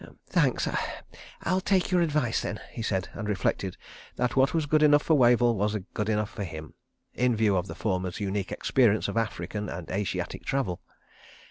"Thanks. I'll take your advice then," he said, and reflected that what was good enough for Wavell was good enough for him, in view of the former's unique experience of African and Asiatic travel.